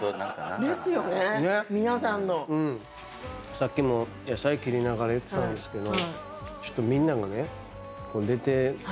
さっきも野菜切りながら言ってたんですけど。